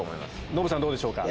ノブさんどうでしょうか？